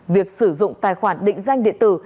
việc sử dụng tài khoản định danh đệ tử